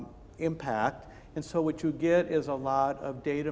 jadi apa yang anda dapat adalah banyak